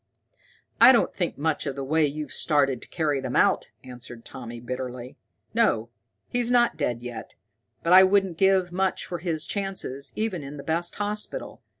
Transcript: "I don't think much of the way you've started to carry them out," answered Tommy bitterly. "No, he's not dead yet, but I wouldn't give much for his chances, even in the best hospital.